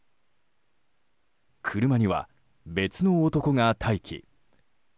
車には別の男が待機。